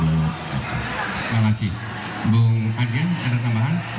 bung adrian ada tambahan